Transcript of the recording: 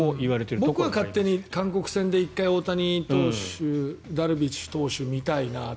僕が勝手に１回、韓国戦で大谷選手とダルビッシュ投手を見たいなと。